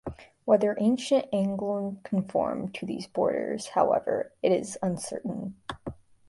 Whether ancient Angeln conformed to these borders, however, is uncertain.